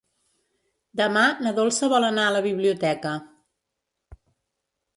Demà na Dolça vol anar a la biblioteca.